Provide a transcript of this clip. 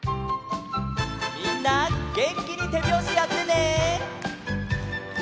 みんなげんきにてびょうしやってね！